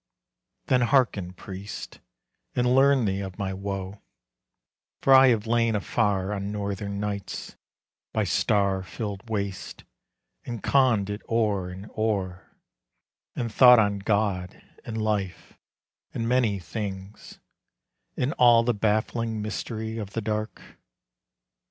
Then hearken, priest, and learn thee of my woe, For I have lain afar on northern nights, By star filled wastes, and conned it o'er and o'er, And thought on God, and life, and many things, And all the baffling mystery of the dark.